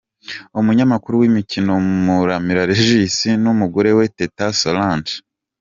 Umunyamakuru w’imikino Muramira Regis n’umugore we Teta Solange.